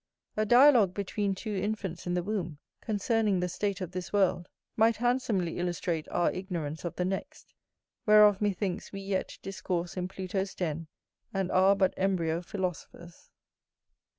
A dialogue between two infants in the womb concerning the state of this world, might handsomely illustrate our ignorance of the next, whereof methinks we yet discourse in Pluto's den, and are but embryo philosophers.